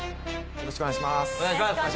よろしくお願いします。